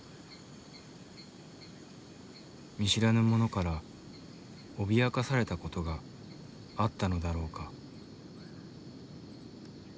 見知らぬ者から脅かされた事があったのだろうか。